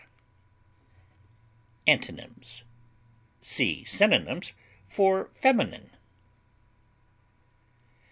Antonyms: See synonyms for FEMININE.